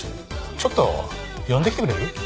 ちょっと呼んできてくれる？